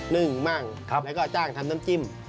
นึ่งมั่งแล้วก็จ้างทำน้ำจิ้ม